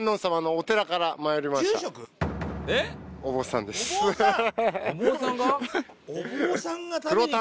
お坊さんが？